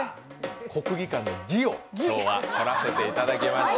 国技館の「技」を今日はとらせていただきました。